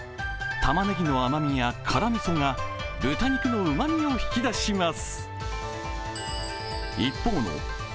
たまねぎの甘みや辛みそが豚肉のうまみを引き出します。